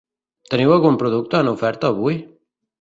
Teniu algun producte en oferta avui?